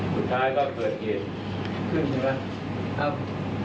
สุดท้ายก็เกิดเหตุขึ้นใช่ไหมครับ